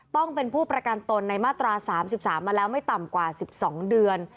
ต้องเป็นผู้ประกันตนในมาตรา๓๓มาแล้วไม่ต่ำกว่า๑๒เดือน